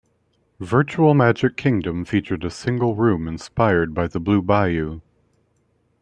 Virtual Magic Kingdom featured a single room inspired by the Blue Bayou.